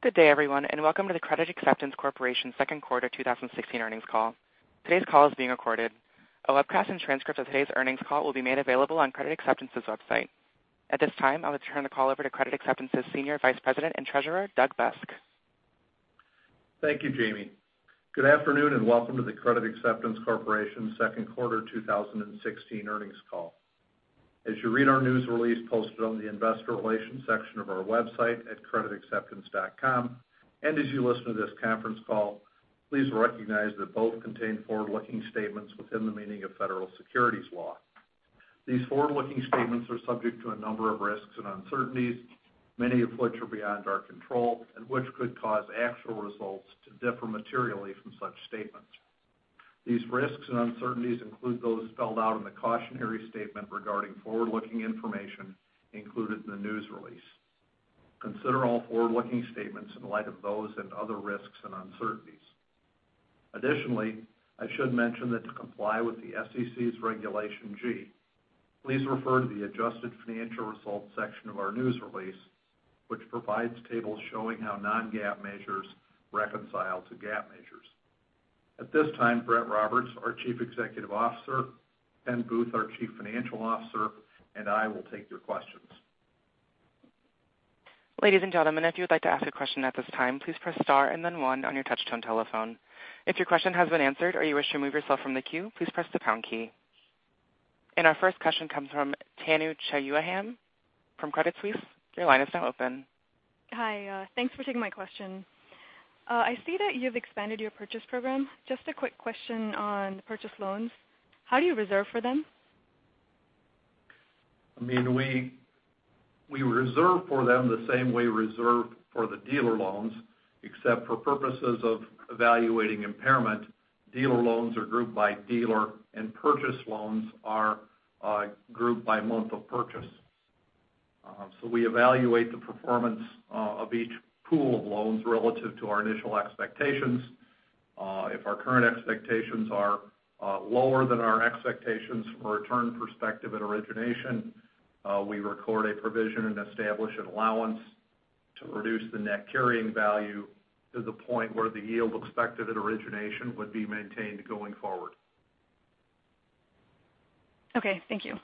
Good day everyone. Welcome to the Credit Acceptance Corporation second quarter 2016 earnings call. Today's call is being recorded. A webcast and transcript of today's earnings call will be made available on Credit Acceptance's website. At this time, I would turn the call over to Credit Acceptance's Senior Vice President and Treasurer, Doug Busk. Thank you, Jamie. Good afternoon. Welcome to the Credit Acceptance Corporation second quarter 2016 earnings call. As you read our news release posted on the investor relations section of our website at creditacceptance.com, and as you listen to this conference call, please recognize that both contain forward-looking statements within the meaning of federal securities law. These forward-looking statements are subject to a number of risks and uncertainties, many of which are beyond our control, and which could cause actual results to differ materially from such statements. These risks and uncertainties include those spelled out in the cautionary statement regarding forward-looking information included in the news release. Consider all forward-looking statements in light of those and other risks and uncertainties. Additionally, I should mention that to comply with the SEC's Regulation G, please refer to the adjusted financial results section of our news release, which provides tables showing how non-GAAP measures reconcile to GAAP measures. At this time, Brett Roberts, our Chief Executive Officer, Ken Booth, our Chief Financial Officer, and I will take your questions. Ladies and gentlemen, if you would like to ask a question at this time, please press star and then one on your touch-tone telephone. If your question has been answered or you wish to remove yourself from the queue, please press the pound key. Our first question comes from Tanu Chauhan from Credit Suisse. Your line is now open. Hi. Thanks for taking my question. I see that you've expanded your Purchase Program. Just a quick question on purchase loans. How do you reserve for them? We reserve for them the same way we reserve for the dealer loans, except for purposes of evaluating impairment. Dealer loans are grouped by dealer, and purchase loans are grouped by month of purchase. We evaluate the performance of each pool of loans relative to our initial expectations. If our current expectations are lower than our expectations from a return perspective at origination, we record a provision and establish an allowance to reduce the net carrying value to the point where the yield expected at origination would be maintained going forward. Okay, thank you.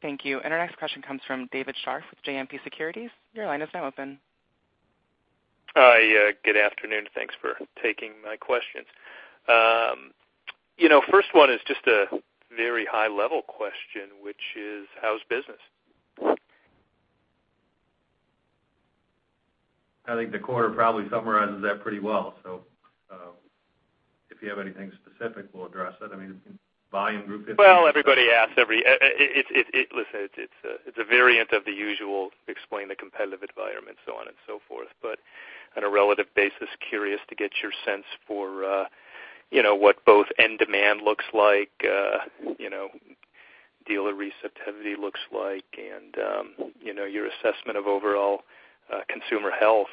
Thank you. Our next question comes from David Scharf with JMP Securities. Your line is now open. Hi, good afternoon. Thanks for taking my questions. First one is just a very high-level question, which is, how's business? I think the quarter probably summarizes that pretty well. If you have anything specific, we'll address it. Listen, it's a variant of the usual, explain the competitive environment, so on and so forth. On a relative basis, curious to get your sense for what both end demand looks like, dealer receptivity looks like, and your assessment of overall consumer health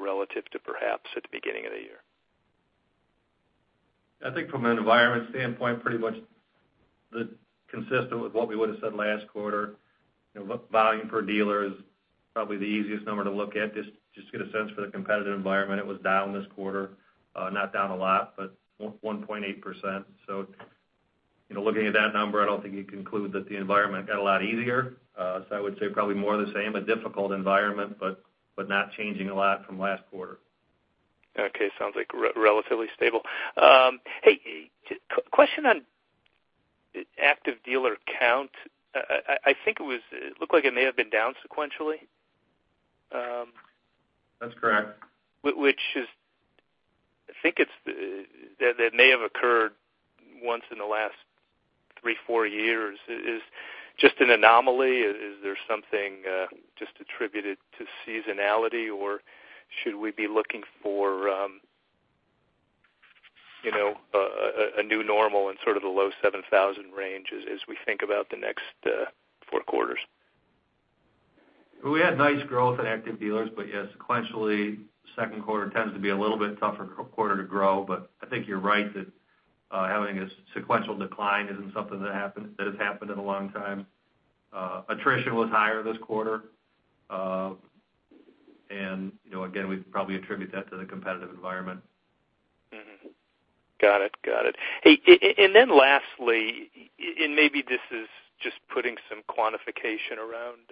relative to perhaps at the beginning of the year. I think from an environment standpoint, pretty much consistent with what we would've said last quarter. Volume per dealer is probably the easiest number to look at, just to get a sense for the competitive environment. It was down this quarter. Not down a lot, but 1.8%. Looking at that number, I don't think you conclude that the environment got a lot easier. I would say probably more the same, a difficult environment, but not changing a lot from last quarter. Okay, sounds like relatively stable. Hey, question on active dealer count. I think it looked like it may have been down sequentially. That's correct. Which is, I think that may have occurred once in the last three, four years. Is just an anomaly? Is there something just attributed to seasonality, or should we be looking for a new normal in sort of the low 7,000 range as we think about the next four quarters? We had nice growth in active dealers, yeah, sequentially, second quarter tends to be a little bit tougher quarter to grow. I think you're right that having a sequential decline isn't something that has happened in a long time. Attrition was higher this quarter. Again, we'd probably attribute that to the competitive environment. Mm-hmm. Got it. Lastly, maybe this is just putting some quantification around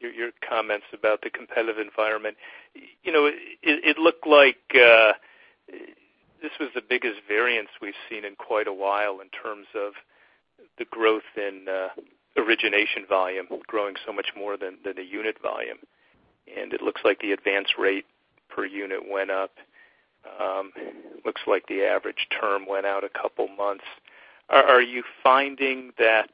your comments about the competitive environment. It looked like this was the biggest variance we've seen in quite a while in terms of the growth in origination volume growing so much more than the unit volume. It looks like the advance rate per unit went up. Looks like the average term went out a couple of months. Are you finding that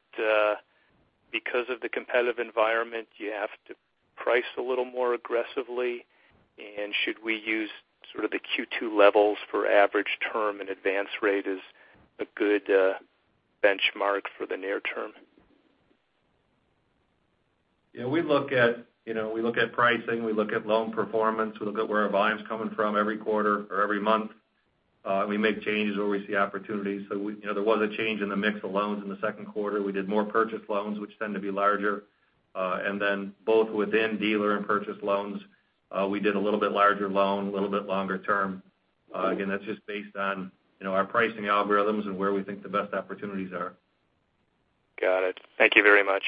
because of the competitive environment, you have to price a little more aggressively? Should we use sort of the Q2 levels for average term and advance rate as a good benchmark for the near term? We look at pricing, we look at loan performance, we look at where our volume's coming from every quarter or every month. We make changes where we see opportunities. There was a change in the mix of loans in the second quarter. We did more purchase loans, which tend to be larger. Both within dealer and purchase loans, we did a little bit larger loan, a little bit longer term. Again, that's just based on our pricing algorithms and where we think the best opportunities are. Got it. Thank you very much.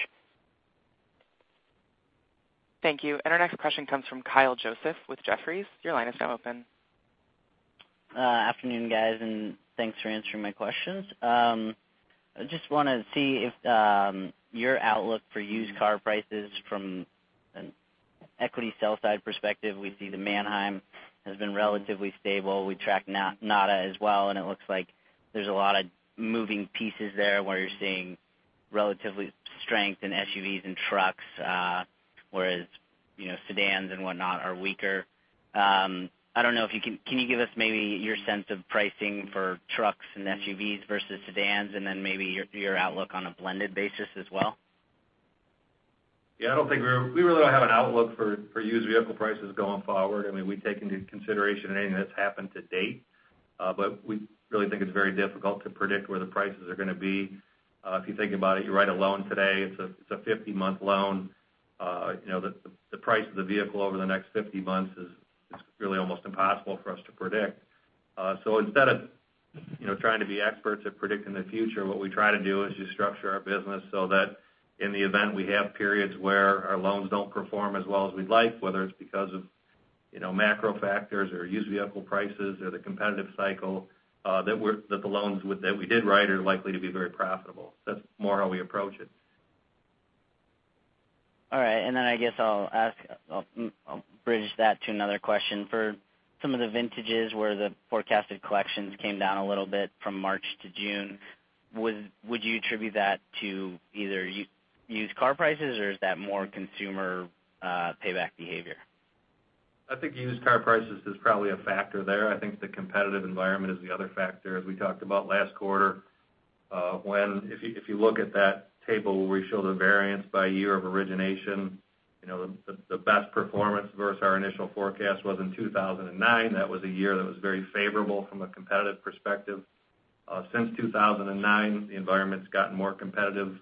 Thank you. Our next question comes from Kyle Joseph with Jefferies. Your line is now open. Afternoon, guys, and thanks for answering my questions. I just want to see if your outlook for used car prices from an equity sell side perspective, we see the Manheim has been relatively stable. We track NADA as well, and it looks like there's a lot of moving pieces there where you're seeing relatively strength in SUVs and trucks, whereas sedans and whatnot are weaker. I don't know, can you give us maybe your sense of pricing for trucks and SUVs versus sedans, and then maybe your outlook on a blended basis as well? Yeah, I don't think we really have an outlook for used vehicle prices going forward. We take into consideration anything that's happened to date, but we really think it's very difficult to predict where the prices are going to be. If you think about it, you write a loan today, it's a 50-month loan. The price of the vehicle over the next 50 months is really almost impossible for us to predict. Instead of trying to be experts at predicting the future, what we try to do is just structure our business so that in the event we have periods where our loans don't perform as well as we'd like, whether it's because of macro factors or used vehicle prices or the competitive cycle, that the loans that we did write are likely to be very profitable. That's more how we approach it. All right. Then I guess I'll bridge that to another question. For some of the vintages where the forecasted collections came down a little bit from March to June, would you attribute that to either used car prices, or is that more consumer payback behavior? I think used car prices is probably a factor there. I think the competitive environment is the other factor, as we talked about last quarter. If you look at that table where we show the variance by year of origination, the best performance versus our initial forecast was in 2009. That was a year that was very favorable from a competitive perspective. Since 2009, the environment's gotten more competitive.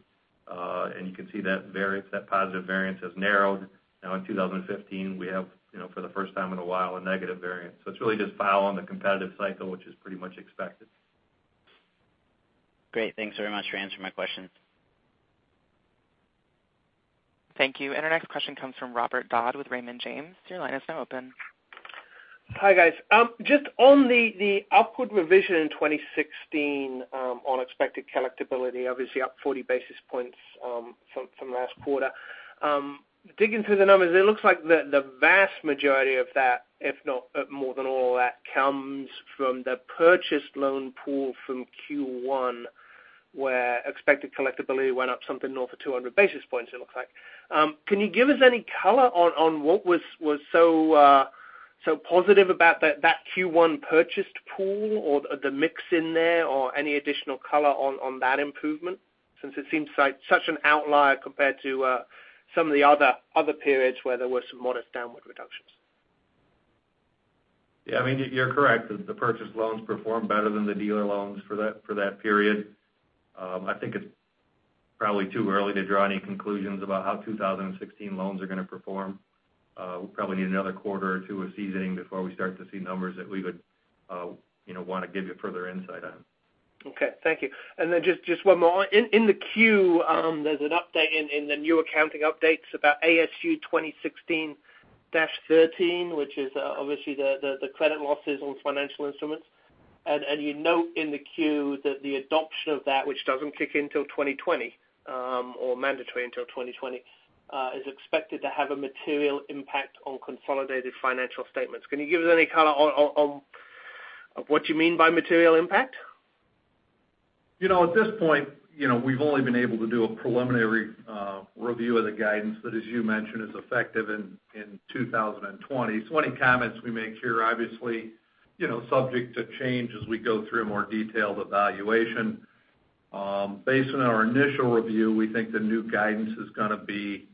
You can see that variance, that positive variance, has narrowed. Now in 2015, we have, for the first time in a while, a negative variance. It's really just following the competitive cycle, which is pretty much expected. Great. Thanks very much for answering my questions. Thank you. Our next question comes from Robert Dodd with Raymond James. Your line is now open. Hi, guys. Just on the upward revision in 2016 on expected collectibility, obviously up 40 basis points from last quarter. Digging through the numbers, it looks like the vast majority of that, if not more than all of that, comes from the purchased loan pool from Q1, where expected collectibility went up something north of 200 basis points, it looks like. Can you give us any color on what was so positive about that Q1 purchased pool or the mix in there, or any additional color on that improvement? Since it seems like such an outlier compared to some of the other periods where there were some modest downward reductions. Yeah, you're correct. The purchased loans performed better than the dealer loans for that period. I think it's probably too early to draw any conclusions about how 2016 loans are going to perform. We'll probably need another quarter or two of seasoning before we start to see numbers that we would want to give you further insight on. Okay. Thank you. Just one more. In the 10-Q, there's an update in the new accounting updates about ASU 2016-13, which is obviously the credit losses on financial instruments. You note in the 10-Q that the adoption of that, which doesn't kick in until 2020, or mandatory until 2020, is expected to have a material impact on consolidated financial statements. Can you give us any color on what you mean by material impact? At this point, we've only been able to do a preliminary review of the guidance that, as you mentioned, is effective in 2020. Any comments we make here are obviously subject to change as we go through a more detailed evaluation. Based on our initial review, we think the new guidance is going to be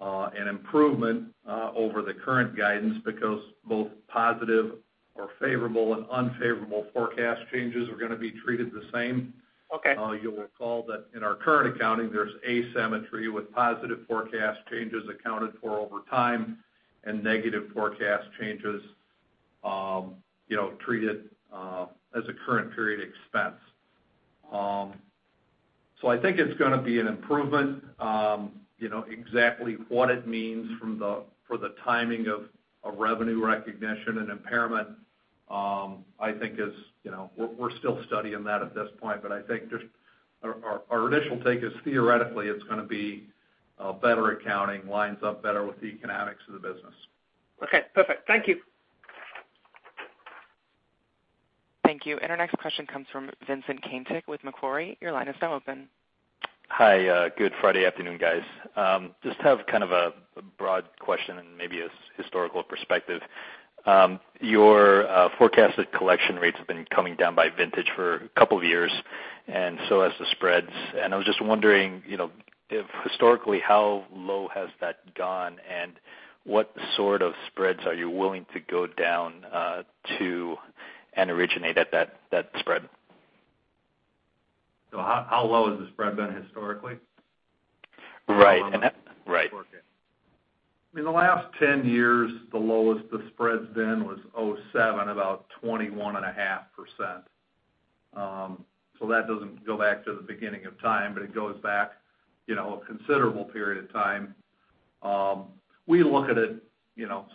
an improvement over the current guidance because both positive or favorable and unfavorable forecast changes are going to be treated the same. Okay. You will recall that in our current accounting, there's asymmetry with positive forecast changes accounted for over time and negative forecast changes treated as a current period expense. I think it's going to be an improvement. Exactly what it means for the timing of revenue recognition and impairment, we're still studying that at this point. I think just our initial take is theoretically it's going to be better accounting, lines up better with the economics of the business. Okay, perfect. Thank you. Thank you. Our next question comes from Vincent Caintic with Macquarie. Your line is now open. Hi. Good Friday afternoon, guys. Just have kind of a broad question and maybe a historical perspective. Your forecasted collection rates have been coming down by vintage for a couple of years. So has the spreads. I was just wondering, historically, how low has that gone, and what sort of spreads are you willing to go down to and originate at that spread? How low has the spread been historically? Right. In the last 10 years, the lowest the spread's been was 2007, about 21.5%. That doesn't go back to the beginning of time, but it goes back a considerable period of time. We look at it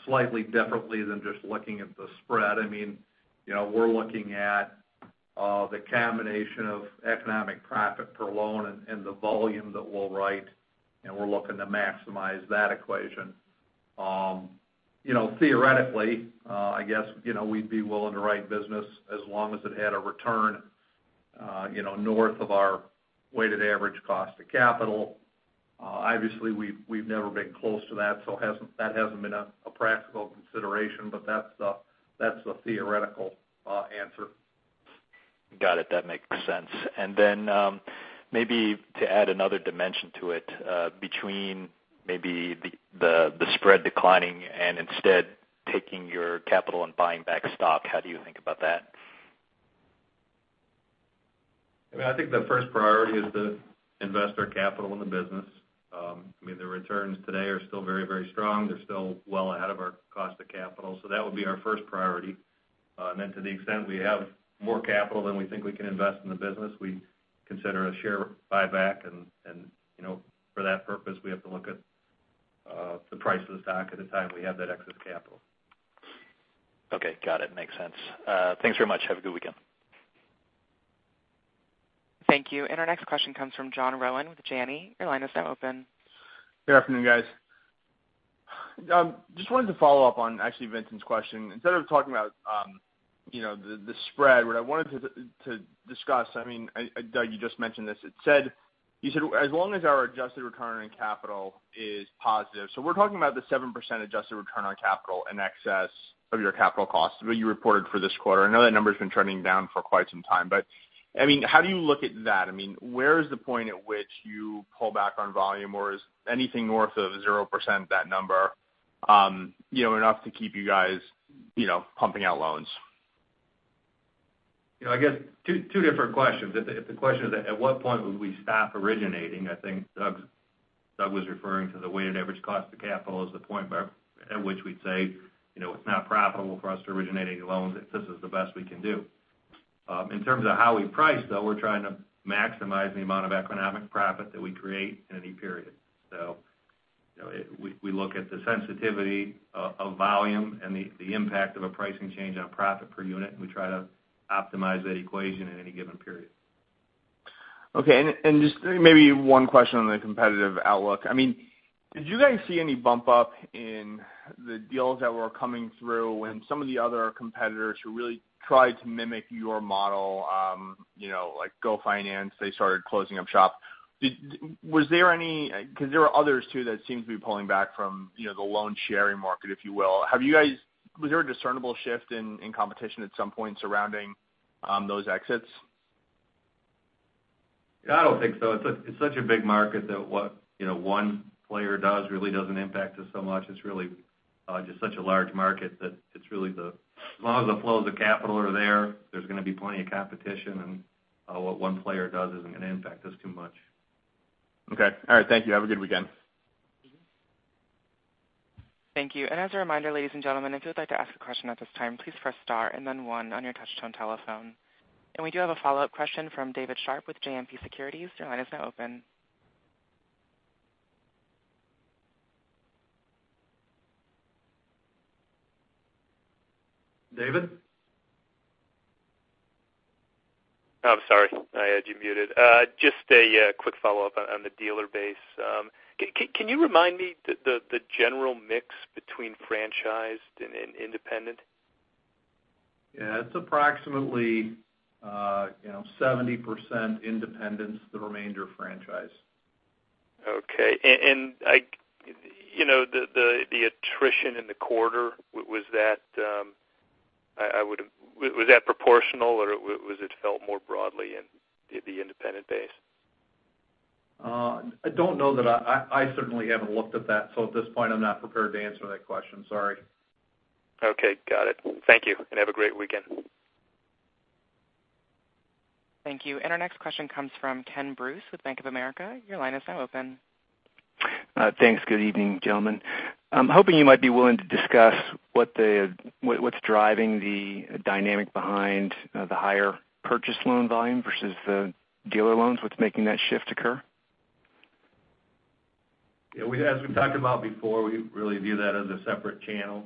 slightly differently than just looking at the spread. We're looking at the combination of economic profit per loan and the volume that we'll write, and we're looking to maximize that equation. Theoretically, I guess we'd be willing to write business as long as it had a return north of our weighted average cost of capital. Obviously, we've never been close to that hasn't been a practical consideration, but that's the theoretical answer. Got it. That makes sense. Maybe to add another dimension to it, between maybe the spread declining and instead taking your capital and buying back stock, how do you think about that? I think the first priority is to invest our capital in the business. The returns today are still very strong. They're still well ahead of our cost of capital. That would be our first priority. To the extent we have more capital than we think we can invest in the business, we consider a share buyback and, for that purpose, we have to look at the price of the stock at the time we have that excess capital. Okay. Got it. Makes sense. Thanks very much. Have a good weekend. Thank you. Our next question comes from John Rowan with Janney. Your line is now open. Good afternoon, guys. Just wanted to follow up on, actually, Vincent's question. Instead of talking about the spread, what I wanted to discuss, Doug, you just mentioned this. You said, as long as our adjusted return on capital is positive. We're talking about the 7% adjusted return on capital in excess of your capital costs, what you reported for this quarter. I know that number's been trending down for quite some time, how do you look at that? Where is the point at which you pull back on volume? Is anything north of 0%, that number, enough to keep you guys pumping out loans? I guess two different questions. If the question is at what point would we stop originating, I think Doug was referring to the weighted average cost of capital as the point at which we'd say it's not profitable for us to originate any loans, this is the best we can do. In terms of how we price, though, we're trying to maximize the amount of economic profit that we create in any period. We look at the sensitivity of volume and the impact of a pricing change on profit per unit, and we try to optimize that equation in any given period. Okay. Just maybe one question on the competitive outlook. Did you guys see any bump up in the deals that were coming through when some of the other competitors who really tried to mimic your model, like Go Finance, they started closing up shop. There are others, too, that seem to be pulling back from the loan sharing market, if you will. Was there a discernible shift in competition at some point surrounding those exits? I don't think so. It's such a big market that what one player does really doesn't impact us so much. It's really just such a large market that as long as the flows of capital are there's going to be plenty of competition, and what one player does isn't going to impact us too much. Okay. All right. Thank you. Have a good weekend. Thank you. As a reminder, ladies and gentlemen, if you would like to ask a question at this time, please press star and then one on your touch-tone telephone. We do have a follow-up question from David Scharf with JMP Securities. Your line is now open. David? I'm sorry. I had you muted. Just a quick follow-up on the dealer base. Can you remind me the general mix between franchised and independent? Yeah, it's approximately 70% independents, the remainder franchise. Okay. The attrition in the quarter, was that proportional, or was it felt more broadly in the independent base? I don't know that. I certainly haven't looked at that. At this point, I'm not prepared to answer that question, sorry. Okay. Got it. Thank you. Have a great weekend. Thank you. Our next question comes from Ken Bruce with Bank of America. Your line is now open. Thanks. Good evening, gentlemen. I'm hoping you might be willing to discuss what's driving the dynamic behind the higher purchase loan volume versus the dealer loans. What's making that shift occur? Yeah. As we've talked about before, we really view that as a separate channel.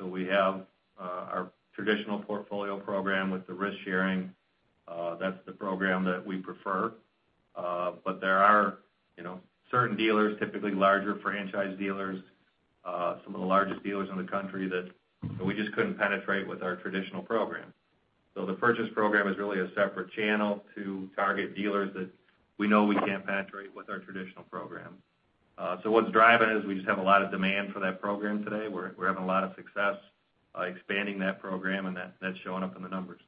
We have our traditional Portfolio Program with the risk sharing. That's the program that we prefer. There are certain dealers, typically larger franchise dealers, some of the largest dealers in the country that we just couldn't penetrate with our traditional program. The Purchase Program is really a separate channel to target dealers that we know we can't penetrate with our traditional program. What's driving it is we just have a lot of demand for that program today. We're having a lot of success expanding that program, and that's showing up in the numbers.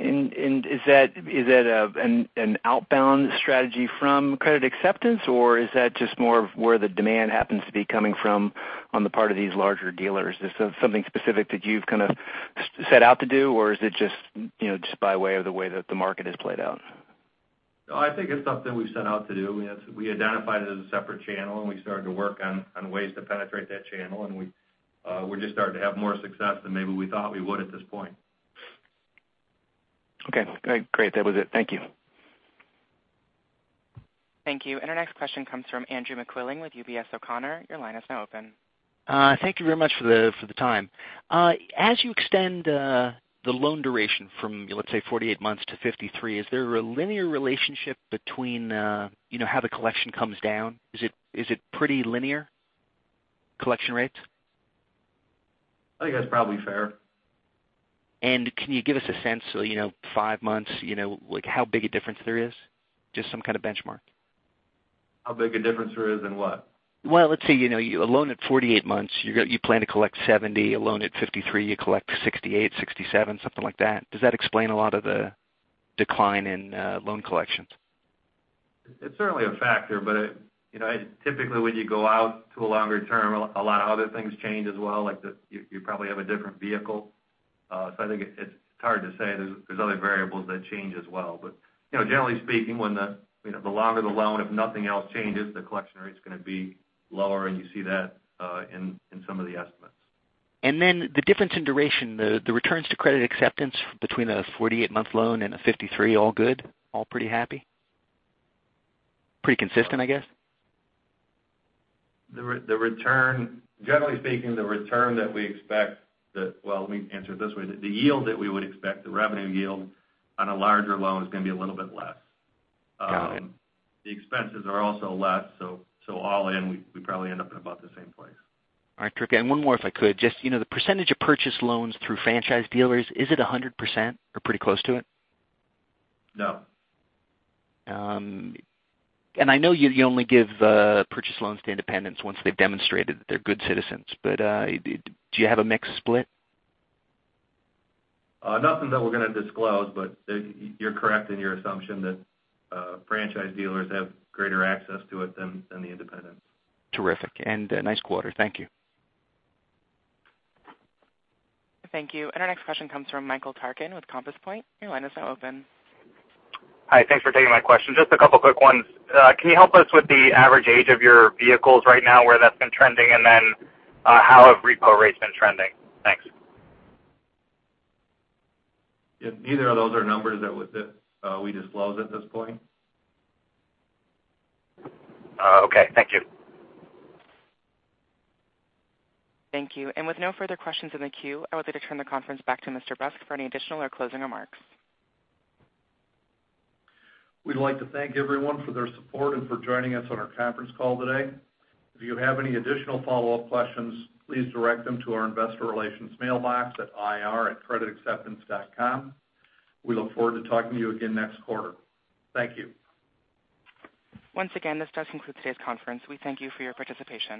Is that an outbound strategy from Credit Acceptance, or is that just more of where the demand happens to be coming from on the part of these larger dealers? Is this something specific that you've kind of set out to do, or is it just by way of the way that the market has played out? No, I think it's something we've set out to do. We identified it as a separate channel, and we started to work on ways to penetrate that channel. We're just starting to have more success than maybe we thought we would at this point. Okay, great. That was it. Thank you. Thank you. Our next question comes from Andrew McQuilling with UBS O'Connor. Your line is now open. Thank you very much for the time. As you extend the loan duration from, let's say, 48 months to 53, is there a linear relationship between how the collection comes down? Is it pretty linear, collection rates? I think that's probably fair. Can you give us a sense, five months, like how big a difference there is? Just some kind of benchmark. How big a difference there is in what? Well, let's say, a loan at 48 months, you plan to collect 70. A loan at 53, you collect 68, 67, something like that. Does that explain a lot of the decline in loan collections? It's certainly a factor. Typically, when you go out to a longer term, a lot of other things change as well. Like you probably have a different vehicle. I think it's hard to say. There's other variables that change as well. Generally speaking, the longer the loan, if nothing else changes, the collection rate's going to be lower. You see that in some of the estimates. The difference in duration, the returns to Credit Acceptance between a 48-month loan and a 53, all good? All pretty happy? Pretty consistent, I guess? Generally speaking, well, let me answer it this way. The yield that we would expect, the revenue yield on a larger loan is going to be a little bit less. Got it. The expenses are also less. All in, we probably end up in about the same place. All right, terrific. One more, if I could. Just the percentage of purchased loans through franchise dealers, is it 100% or pretty close to it? No. I know you only give purchased loans to independents once they've demonstrated that they're good citizens. Do you have a mixed split? Nothing that we're going to disclose. You're correct in your assumption that franchise dealers have greater access to it than the independents. Terrific. Nice quarter. Thank you. Thank you. Our next question comes from Michael Tarkan with Compass Point. Your line is now open. Hi. Thanks for taking my question. Just a two quick ones. Can you help us with the average age of your vehicles right now, where that's been trending? How have repo rates been trending? Thanks. Neither of those are numbers that we disclose at this point. Okay. Thank you. Thank you. With no further questions in the queue, I would like to turn the conference back to Mr. Busk for any additional or closing remarks. We'd like to thank everyone for their support and for joining us on our conference call today. If you have any additional follow-up questions, please direct them to our investor relations mailbox at ir@creditacceptance.com. We look forward to talking to you again next quarter. Thank you. Once again, this does conclude today's conference. We thank you for your participation.